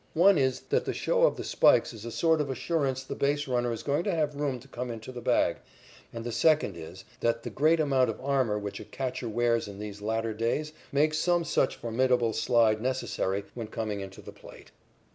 One is that the show of the spikes is a sort of assurance the base runner is going to have room to come into the bag, and the second is that the great amount of armor which a catcher wears in these latter days makes some such formidable slide necessary when coming into the plate.